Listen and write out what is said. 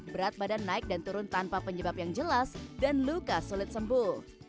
berat badan naik dan turun tanpa penyebab yang jelas dan luka sulit sembuh